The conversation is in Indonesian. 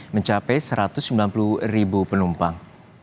mencapai satu ratus sembilan puluh ribu penumpang